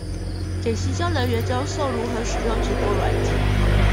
給行銷人員教授如何使用直播軟體